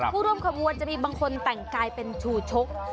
ผู้ร่วมขบวนจะมีบางคนแต่งกายเป็นชูชก